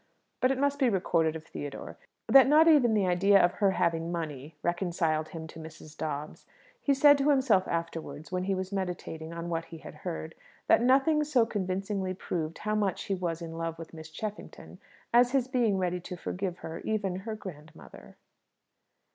But it must be recorded of Theodore, that not even the idea of her having money reconciled him to Mrs. Dobbs. He said to himself afterwards, when he was meditating on what he had heard, that nothing so convincingly proved how much he was in love with Miss Cheffington, as his being ready to forgive her even her grandmother!